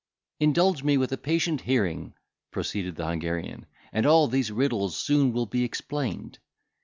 "Indulge me with a patient hearing," proceeded the Hungarian, "and all these riddles soon will be explained.